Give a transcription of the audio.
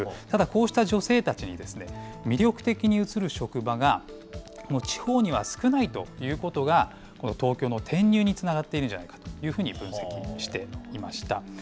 ただ、こうした女性たちに魅力的に映る職場が、地方には少ないということが、東京の転入につながっているんじゃないかというふうに分析していました。